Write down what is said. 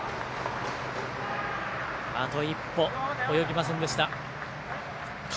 あと一歩及びませんでした。